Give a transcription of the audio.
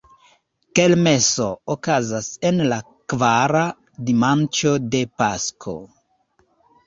Kermeso okazas en la kvara dimanĉo de Pasko.